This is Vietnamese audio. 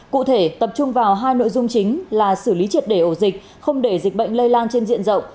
cụ thể tập trung vào hai nội dung chính là xử lý triệt để ổ dịch không để dịch bệnh lây lan trên diện rộng